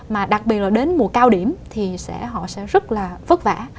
mà đặc biệt là đến mùa cao điểm thì họ sẽ rất là vất vả